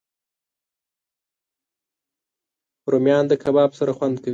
رومیان د کباب سره خوند کوي